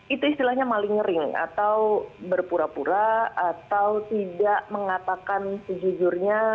itu istilahnya maling ring atau berpura pura atau tidak mengatakan sejujurnya